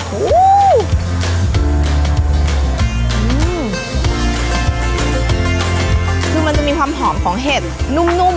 เป็นเพื่อนสุขภาพจริงนะครับ